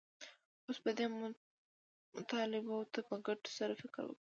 اوس به دې مطالبو ته په کتو سره فکر وکړو